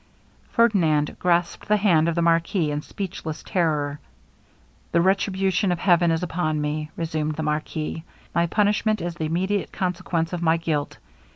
Ferdinand grasped the hand of the marquis in speechless terror. 'The retribution of heaven is upon me,' resumed the marquis. 'My punishment is the immediate consequence of my guilt.